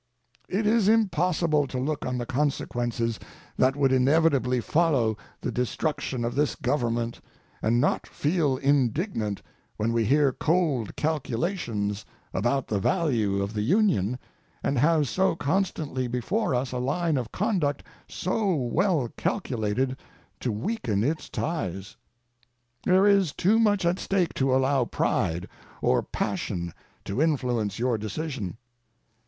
It is impossible to look on the consequences that would inevitably follow the destruction of this Government and not feel indignant when we hear cold calculations about the value of the Union and have so constantly before us a line of conduct so well calculated to weaken its ties. There is too much at stake to allow pride or passion to influence your decision.